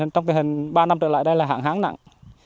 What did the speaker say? trong thời hình ba năm trở lại đây là hạng háng nặng